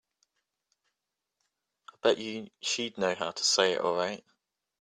I bet you she'd know how to say it all right.